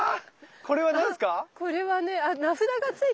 これは何すか？